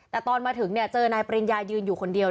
แต่ตอนมาถึงเนี่ยเจอนายปริญญายืนอยู่คนเดียว